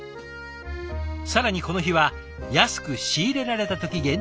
更にこの日は安く仕入れられた時限定の刺身も。